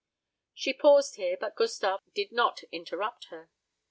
She paused here, but Gustave did not interrupt her.